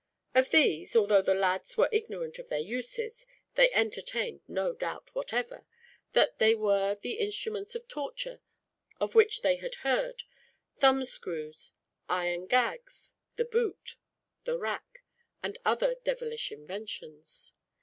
Of these, although the lads were ignorant of their uses, they entertained no doubt, whatever, that they were the instruments of torture of which they had heard thumb screws, iron gags, the boot, the rack, and other devilish inventions.